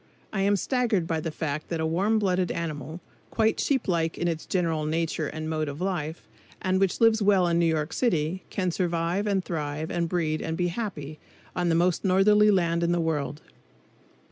I am staggered by the fact that a warm blooded animal, quite sheep like in its general nature and mode of life, and which lives well in New York City, can survive and thrive and breed and be happy on the most northerly land in the world.